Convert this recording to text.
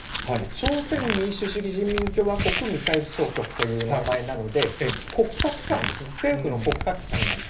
朝鮮民主主義人民共和国ミサイル総局という名前なので、国家機関ですね、政府の国家機関なんです。